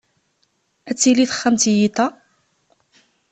Ad tili texxamt i yiḍ-a?